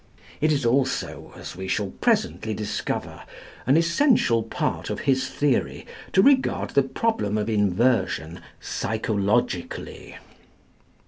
It is also, as we shall presently discover, an essential part of his theory to regard the problem of inversion psychologically.